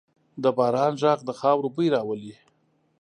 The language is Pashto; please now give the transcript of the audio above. د باران ږغ د خاورو بوی راولي.